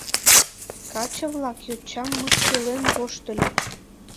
Каче-влак йочам мыскылен воштыльыч.